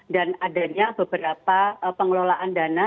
dan adanya beberapa pengelolaan dana